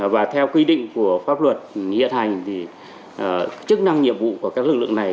và theo quy định của pháp luật hiện hành thì chức năng nhiệm vụ của các lực lượng này